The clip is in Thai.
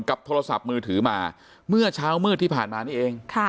โทรศัพท์มือถือมาเมื่อเช้ามืดที่ผ่านมานี่เอง